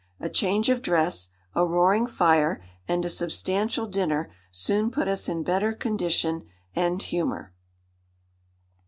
A change of dress, a roaring fire, and a substantial dinner, soon put us in better condition and humour."